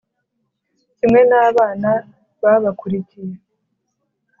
kimwe n’abana babakurikiye.